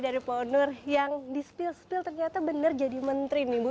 dari pak nur yang di spil spil ternyata bener jadi menteri nih ibu